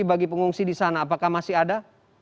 apakah masih ada